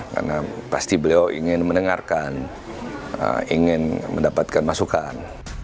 karena pasti beliau ingin mendengarkan ingin mendapatkan masukan